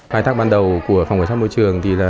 bài tác ban đầu của phòng khẩu trang môi trường thì là